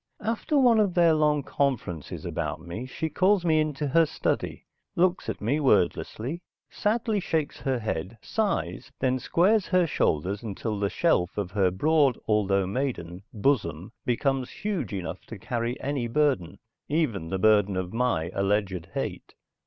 After one of their long conferences about me she calls me into her study, looks at me wordlessly, sadly, shakes her head, sighs then squares her shoulders until the shelf of her broad, although maiden, bosom becomes huge enough to carry any burden, even the burden of my alleged hate.